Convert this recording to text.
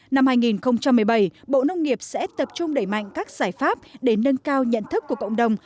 năm hai nghìn một mươi bảy bộ nông nghiệp sẽ tập trung đẩy mạnh các giải pháp để nâng cao nhận thức của cộng đồng